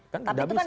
kan tidak bisa